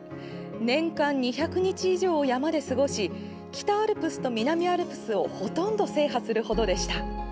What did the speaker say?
年間２００日以上を山で過ごし北アルプスと南アルプスをほとんど制覇するほどでした。